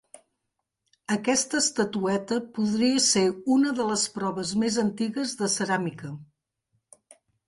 Aquesta estatueta podria ser una de les proves més antigues de ceràmica.